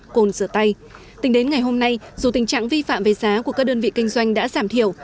cồn sửa tay tính đến ngày hôm nay dù tình trạng vi phạm về giá của các đơn vị kinh doanh đã giảm thiểu